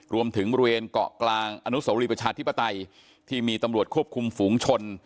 รวมถึงบริเวณเกาะกลางอนุโสรีประชาธิปไตยที่มีตำรวจควบคุมฝูงชน